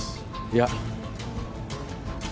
いや。